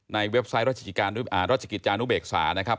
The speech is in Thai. ในเว็บไซต์รัชกิจการณ์หรือรัชกิจจานุเบกษานะครับ